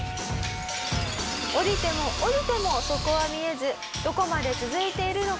「下りても下りても底は見えずどこまで続いているのか